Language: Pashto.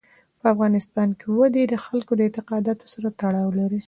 په افغانستان کې وادي د خلکو د اعتقاداتو سره تړاو لري.